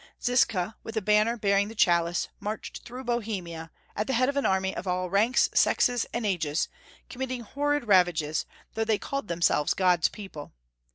Ziska, with a banner bearing the Chalice, marched through Bohemia, at the head of an army of all ranks, sexes, and ages, committing horrid ravages, though they called themselves God's people.